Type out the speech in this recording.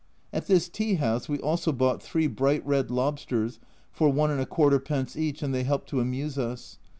At this tea house we also bought three bright red lobsters for id. each, and they helped to amuse us.